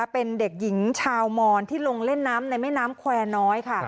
เป็นเด็กหญิงชาวมอนที่ลงเล่นน้ำในแม่น้ำแควร์น้อยค่ะ